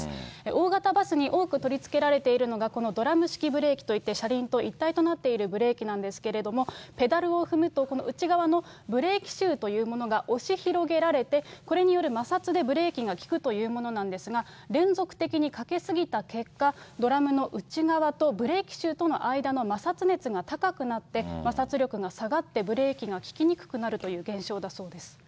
大型バスに多く取り付けられているのがこのドラム式ブレーキといって、車輪と一体となっているブレーキなんですけれども、ペダルを踏むと内側のブレーキシューというものが押し広げられて、これによる摩擦でブレーキが利くというものなんですが、連続的にかけすぎた結果、ドラムの内側とブレーキシューとの間の摩擦熱が高くなって、摩擦力が下がって、ブレーキが利きにくくなるという現象だそうです。